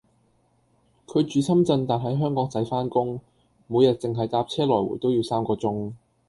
佢住深圳但喺香港仔返工，每日淨係搭車來回都要三個鐘